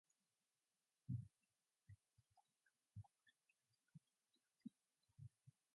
Over the years, a strong yet mainly lopsided rivalry with Germany developed.